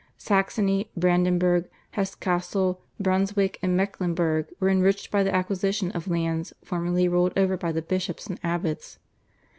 Saxony, Brandenburg, Hesse Cassel, Brunswick, and Mecklenburg were enriched by the acquisition of lands formerly ruled over by the bishops and abbots.